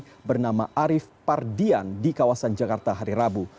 polisi juga berhasil menangkap terduga pelaku yang lain di kawasan jakarta hari rabu